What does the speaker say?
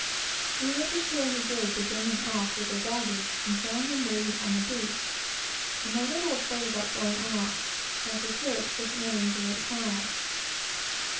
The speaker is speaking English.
We went ashore in the gig to bring them off with their baggage, and found them waiting on the beach, and a little afraid about going off, as the surf was running very high.